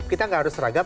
kita gak harus seragam